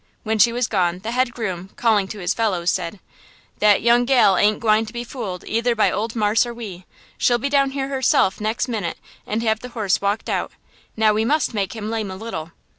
When she was gone the head groom, calling to his fellows, said: "That young gal ain't a gwine to be fooled either by ole marse or we. She'll be down here herself nex' minute and have the horse walked out. Now we must make him lame a little.